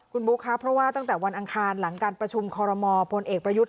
คุณบุ๊คครับเพราะว่าตั้งแต่วันอังคารหลังการประชุมคอรมอพลเอกประยุทธ์